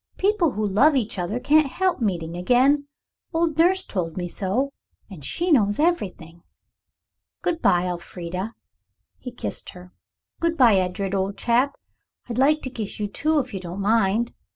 People who love each other can't help meeting again. Old nurse told me so, and she knows everything. Good bye, Elfrida." He kissed her. "Good bye, Edred, old chap. I'd like to kiss you too, if you don't mind.